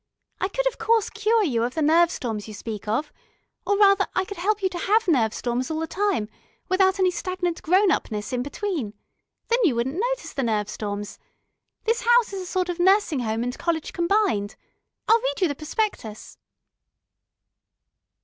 "I could of course cure you of the nerve storms you speak of. Or rather I could help you to have nerve storms all the time, without any stagnant grown upness in between. Then you wouldn't notice the nerve storms. This house is a sort of nursing home and college combined. I'll read you the prospectus."